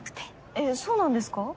えっそうなんですか？